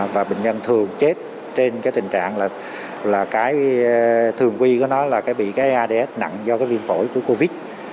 và bệnh nhân thường chết trên cái tình trạng là cái thường quy của nó là cái bị cái ads nặng do cái viêm phổi của covid